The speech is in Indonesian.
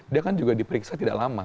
dia kan juga diperiksa tidak lama